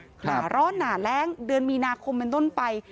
หนาร้อนหนาแรงเดือนมีนาคมไป